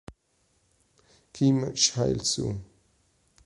Kim Cheol-soo